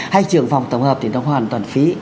hay trường phòng tổng hợp thì nó hoàn toàn phí